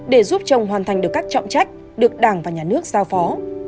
để giúp chồng hoàn thành được các trọng trách được đảng và nhà nước giao phó